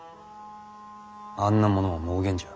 あんなものは妄言じゃ。